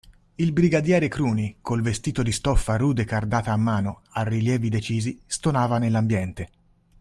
Il brigadiere Cruni, col vestito di stoffa rude cardata a mano, a rilievi decisi, stonava nell'ambiente.